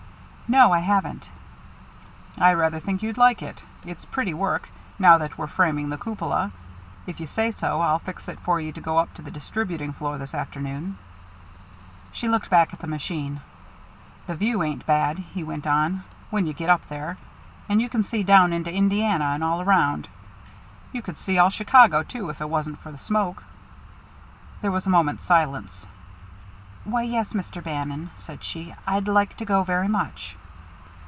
"No, I haven't." "I rather think you'd like it. It's pretty work, now that we're framing the cupola. If you say so, I'll fix it for you to go up to the distributing floor this afternoon." She looked back at the machine. "The view ain't bad," he went on, "when you get up there. You can see down into Indiana, and all around. You could see all Chicago, too, if it wasn't for the smoke." There was a moment's silence. "Why, yes, Mr. Bannon," she said; "I'd like to go very much."